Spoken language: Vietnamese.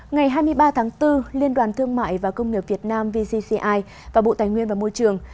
ngày hai mươi ba tháng bốn liên đoàn thương mại và công nghiệp việt nam vcci và bộ tài nguyên và môi trường